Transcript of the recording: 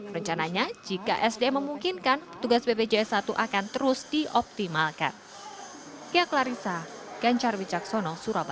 rencananya jika sd memungkinkan tugas bpjs satu akan terus dioptimalkan